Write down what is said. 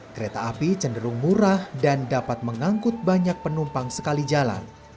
kereta api cenderung murah dan dapat mengangkut banyak penumpang sekali jalan